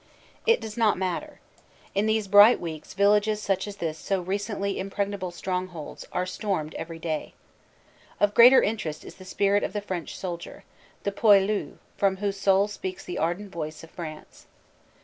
It does not matter. In these bright weeks villages such as this so recently impregnable strongholds are stormed every day. Of greater interest is the spirit of the French soldier, the "poilu>" from whose soul speaks the ardent voice of France.